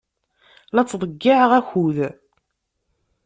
La ttḍeyyiɛeɣ akud.